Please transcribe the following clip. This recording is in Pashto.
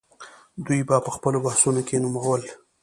دوی به په خپلو بحثونو کې نومول.